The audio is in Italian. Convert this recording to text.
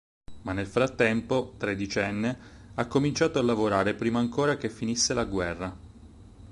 Ma nel frattempo, tredicenne, ha cominciato a lavorare, prima ancora che finisse la guerra.